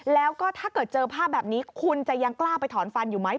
แล้วก็ถ้าเกิดเจอภาพแบบนี้คุณจะยังกล้าไปถอนฟันอยู่ไหม